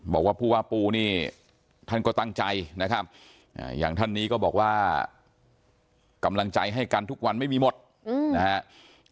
บอกว่าผู้ว่าปูนี่ท่านก็ตั้งใจนะครับอย่างท่านนี้ก็บอกว่ากำลังใจให้กันทุกวันไม่มีหมดนะครับ